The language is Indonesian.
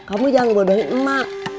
kamu jangan bodohin emak